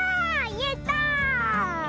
やった！